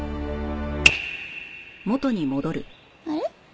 あれ？